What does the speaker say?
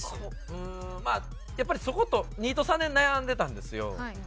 うーんやっぱりそこと２と３で悩んでたんですよ。